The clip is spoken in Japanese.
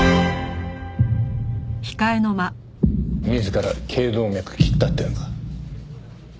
自ら頸動脈切ったってのか？